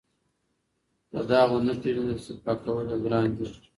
که داغ ونه پېژندل سي پاکول یې ګران دي.